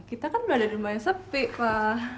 kita kan berada di rumah yang sepi pak